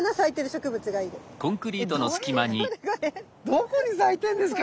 どこに咲いてんですか？